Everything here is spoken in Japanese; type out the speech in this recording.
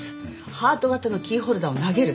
ハート形のキーホルダーを投げる。